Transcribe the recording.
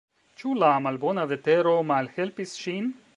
Ĉu la malbona vetero malhelpis ŝin?